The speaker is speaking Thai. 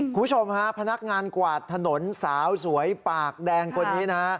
คุณผู้ชมฮะพนักงานกวาดถนนสาวสวยปากแดงคนนี้นะฮะ